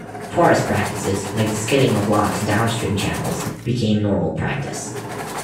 Forest practices, like the skidding of logs downstream channels became normal practice.